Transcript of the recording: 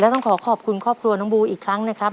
ต้องขอขอบคุณครอบครัวน้องบูอีกครั้งนะครับ